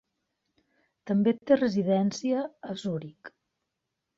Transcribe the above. També té residència a Zuric.